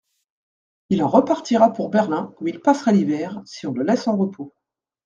Il en repartira pour Berlin, où il passera l'hiver, si on le laisse en repos.